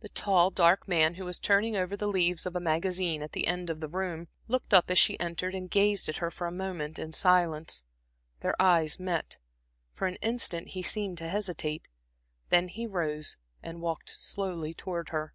The tall dark man who was turning over the leaves of a magazine at the end of the room, looked up as she entered and gazed at her for a moment in silence. Their eyes met; for an instant he seemed to hesitate. Then he rose and walked slowly towards her.